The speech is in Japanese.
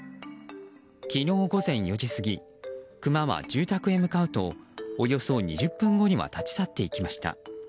昨日午前４時過ぎクマは住宅へ向かうとおよそ２０分後には立ち去っていきました。